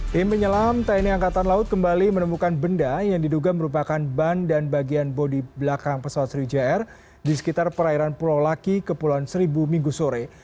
tim penyelam tni angkatan laut kembali menemukan benda yang diduga merupakan ban dan bagian bodi belakang pesawat sri jair di sekitar perairan pulau laki kepulauan seribu minggu sore